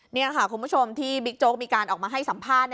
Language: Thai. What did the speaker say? นี่ค่ะคุณผู้ชมที่บิ๊กโจ๊กมีการออกมาให้สัมภาษณ์